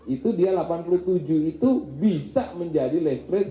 itu dia delapan puluh tujuh itu bisa menjadi leverage